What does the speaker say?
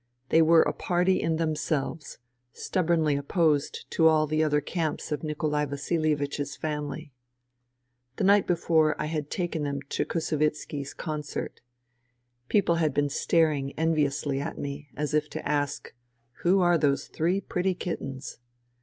They were a party in them selves, stubbornly opposed to all the other camps of Nikolai Vasilievich's family. The night before, I had taken them to Kusivitski's concert. People had been staring enviously at me, as if to ask :" Who are those three pretty kittens